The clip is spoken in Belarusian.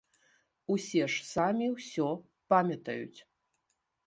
Усе ж самі ўсё памятаюць!